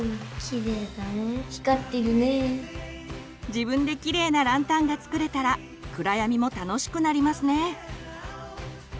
自分でキレイなランタンが作れたら暗闇も楽しくなりますね。